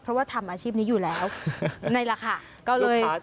เพราะว่าทำอาชีพนี้อยู่แล้วในราคาก็เลย